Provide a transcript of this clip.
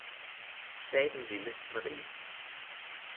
sagde den lille Marie.